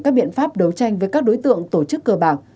các biện pháp đấu tranh với các đối tượng tổ chức cơ bạc